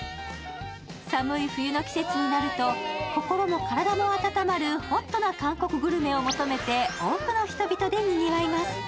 寒い冬の季節になると心も体も温まるホットな韓国グルメを求めて多くの人々でにぎわいます。